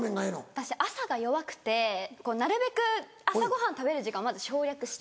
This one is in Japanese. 私朝が弱くてなるべく朝ごはん食べる時間をまず省略したい。